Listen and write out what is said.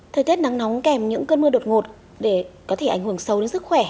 thời tiết nắng nóng kèm những cơn mưa đột ngột để có thể ảnh hưởng sâu đến sức khỏe